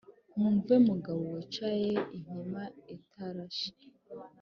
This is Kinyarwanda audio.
mwumve mugabo wicayeinkima itarashe :